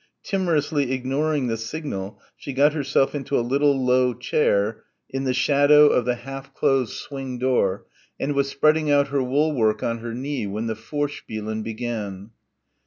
Timorously ignoring the signal she got herself into a little low chair in the shadow of the half closed swing door and was spreading out her woolwork on her knee when the Vorspielen began.